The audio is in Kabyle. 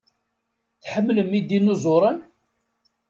Tḥemmlem idinuẓuren?